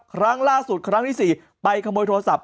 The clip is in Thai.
ครั้งล่าสุดครั้งที่๔ไปขโมยโทรศัพ